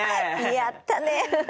やったね！